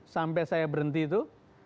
sampai saya berhenti itu